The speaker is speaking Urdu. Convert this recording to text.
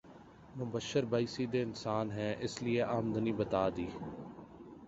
مبشر بھائی سیدھے انسان ہے اس لیے امدنی بتا دی